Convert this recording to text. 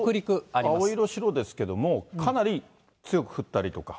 青色、白ですけど、かなり強く降ったりとか。